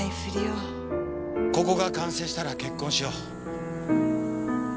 ここが完成したら結婚しよう。